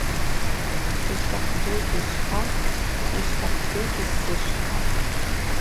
Йшвтахъдзугьи швхӏва, йшвтахъдзугьи сзышвха.